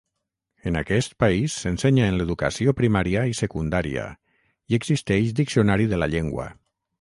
En aquest país s'ensenya en l'educació primària i secundària i existeix diccionari de la llengua.